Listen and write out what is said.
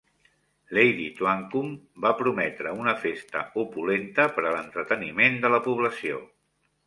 Lady Twankum va prometre una festa opulenta per a l'entreteniment de la població.